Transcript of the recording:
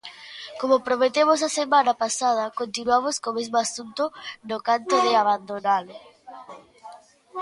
Como prometemos a semana pasada, continuamos co mesmo asunto no canto de abandonalo.